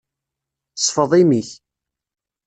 Sfeḍ imi-k.